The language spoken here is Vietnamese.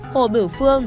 hồ bửu phương